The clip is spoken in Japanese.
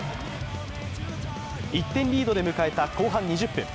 １点リードで迎えた後半２０分。